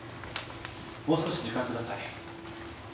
もう少し時間下さい。